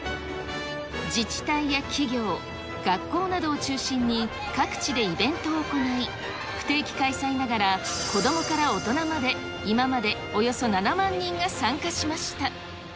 自治体や企業、学校などを中心に各地でイベントを行い、不定期開催ながら、子どもから大人まで、今までおよそ７万人が参加しました。